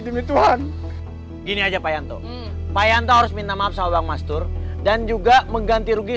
ya tuhan gini aja payanto payanto harus minta maaf sama bang mas tur dan juga mengganti rugi